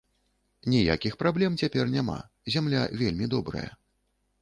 Ніякіх праблем цяпер няма, зямля вельмі добрая.